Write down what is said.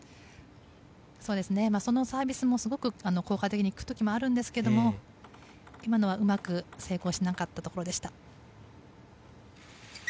そのサービスも効果的に効くときもあるんですが今のは、うまく成功しなかったところでした。